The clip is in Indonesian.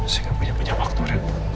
saya gak punya banyak waktu ren